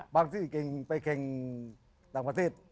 ปางที่ไปแข่งต่างประเทศ